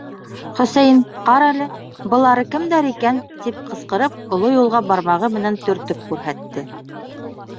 — Хөсәйен, ҡара әле, былары кемдәр икән? — тип ҡысҡырып, оло юлға бармағы менән төртөп күрһәтте.